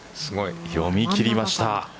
読み切りました。